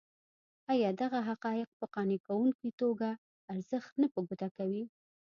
ایا دغه حقایق په قانع کوونکې توګه ارزښت نه په ګوته کوي.